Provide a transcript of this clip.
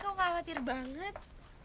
kamu khawatir banget